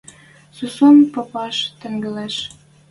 Сусун попаш тӹнгӓлеш.